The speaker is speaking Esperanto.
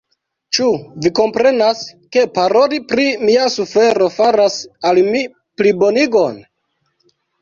Ĉu vi komprenas, ke paroli pri mia sufero faras al mi plibonigon?